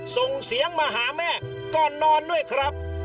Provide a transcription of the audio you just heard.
ส่งเสียงมาหาแม่ก่อนนอนด้วยครับ